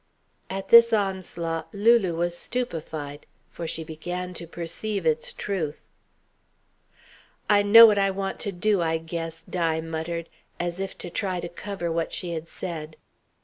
At this onslaught Lulu was stupefied. For she began to perceive its truth. "I know what I want to do, I guess," Di muttered, as if to try to cover what she had said.